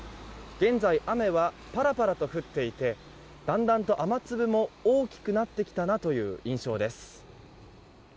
現在、雨はパラパラと降っていてだんだんと雨粒も大きくなってきたなという印象です。